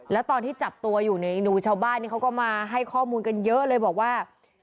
แล้วตอนที่จับตัวอยู่ในดูชาวบ้านนี่เขาก็มาให้ข้อมูลกันเยอะเลยบอกว่า